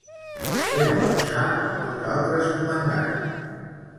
Què va passar amb els altres comandants?